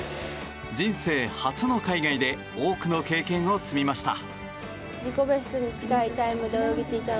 人生初の海外で多くの経験を積みました。